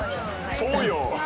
そうよ？